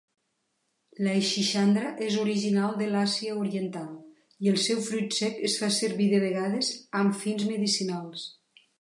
La "Schisandra" és original de l'Àsia Oriental, i el seu fruit sec es fa servir de vegades amb fins medicinals.